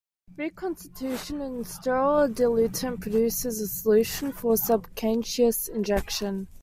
Reconstitution in sterile diluent produces a solution for subcutaneous injection.